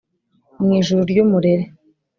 mu ijuru ry’umurere